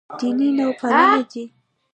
دیني نوپالنه دی.